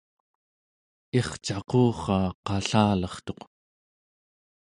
ircaqurra qallalertuq